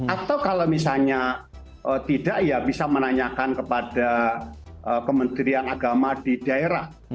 atau kalau misalnya tidak ya bisa menanyakan kepada kementerian agama di daerah